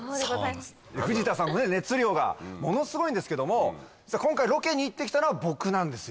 藤田さんも熱量がものすごいんですけども今回ロケに行って来たのは僕なんですよ。